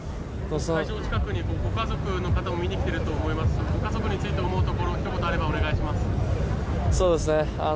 会場の近くにご家族の方も見に来ていると思います、ご家族について思うところ、あればひと言お願いします。